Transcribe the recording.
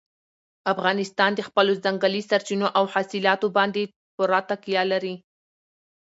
افغانستان د خپلو ځنګلي سرچینو او حاصلاتو باندې پوره تکیه لري.